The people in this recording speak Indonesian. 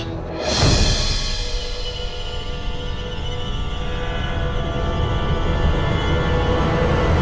tidak dia menangis